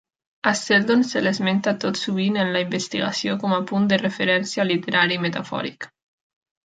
A Seldon se l'esmenta tot sovint en la investigació com a punt de referència literari metafòric.